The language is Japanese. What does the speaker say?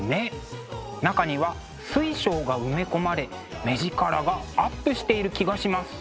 中には水晶が埋め込まれ目力がアップしている気がします。